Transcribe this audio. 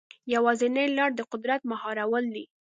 یوازینۍ لاره د قدرت مهارول دي.